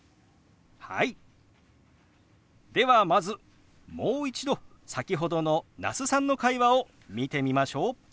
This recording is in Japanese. ではまずもう一度先ほどの那須さんの会話を見てみましょう。